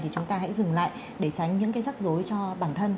thì chúng ta hãy dừng lại để tránh những cái rắc rối cho bản thân